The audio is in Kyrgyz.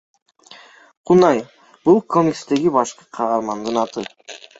Кунай — бул комикстеги башкы каармандын аты.